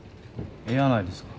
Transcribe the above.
えやないですか。